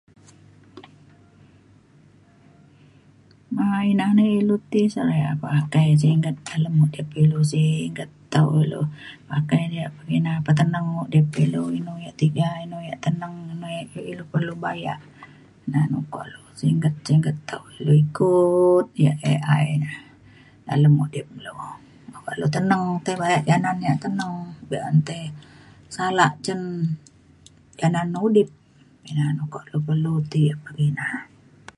um ina na ilu ti se re ye e pakai singget dalem udip ilu singget tau ilu pakai ne yak pekina peteneng udip ilu inu yak tiga inu yak teneng inu yak [unintelligible] inu yak ilu perlu bayak. na na ukok lu singget singget tau ilu ikut yak AI na dalem udip lu. buk ya teneng tai bayak kanan yak teneng be’un tai salak cin kanan udip. ina na ukok lu perlu ti pekina.